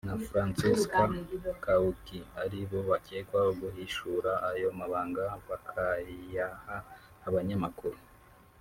na Francesca Chaouqui ari bo bakekwaho guhishura aya mabanga bakayaha abanyamakuru